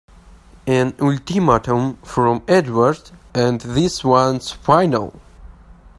An ultimatum from Edward and this one's final!